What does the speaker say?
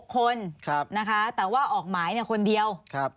๖คนนะคะแต่ว่าออกหมายคนเดียว